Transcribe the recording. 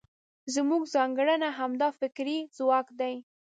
زموږ ځانګړنه همدا فکري ځواک دی.